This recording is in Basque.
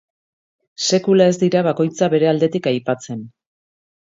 Sekula ez dira bakoitza bere aldetik aipatzen.